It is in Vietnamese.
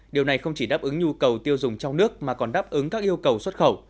điều này không chỉ đáp ứng nhu cầu tiêu dùng trong nước mà còn đáp ứng các yêu cầu xuất khẩu